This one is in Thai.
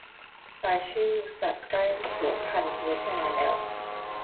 รายชื่อสัตว์ใกล้สูญพันธุ์เยอะแค่ไหนแล้ว